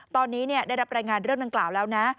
ตอนนี้ได้รับรายงานเรื่องดังกล่าวแล้วนะ